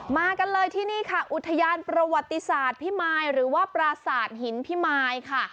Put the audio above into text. มากันเลยที่นี่ค่ะอุทยานประวัติศาสตร์พิมายหรือว่าปราศาสตร์หินพิมายค่ะ